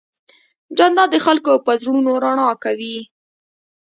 جانداد د خلکو په زړونو رڼا کوي.